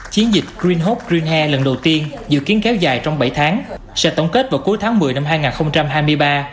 chiến dịch green hork green he lần đầu tiên dự kiến kéo dài trong bảy tháng sẽ tổng kết vào cuối tháng một mươi năm hai nghìn hai mươi ba